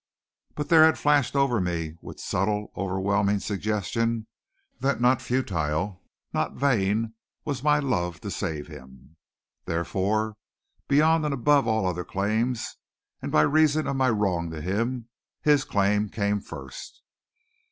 But there had flashed over me with subtle, overwhelming suggestion that not futile, not vain was my love to save him! Therefore, beyond and above all other claims, and by reason of my wrong to him, his claim came first.